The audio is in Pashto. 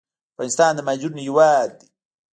افغانستان د مهاجرینو هیواد دی